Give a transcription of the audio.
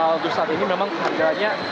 untuk saat ini memang harganya